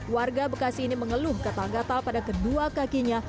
warga bekasi ini mengeluh gatal gatal pada kedua kakinya